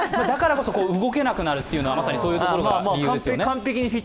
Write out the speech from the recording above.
だからこそ動けなくなるというのは、まさにそういうところですよね。